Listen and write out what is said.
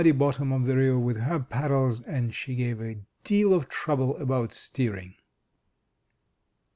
117 MY BOOK HOUSE bottom of the river with her paddles, and she gave a deal of trouble about steering.